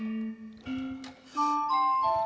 tidak ada yang bisa dihukum